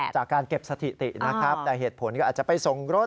จากการเก็บสถิตินะครับแต่เหตุผลก็อาจจะไปส่งรถ